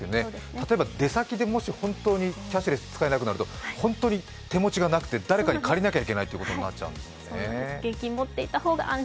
例えば出先でもし、本当にキャッシュレスが使えなくなると本当に手持ちがなくて誰かに借りなきゃいけないことになっちゃいますね。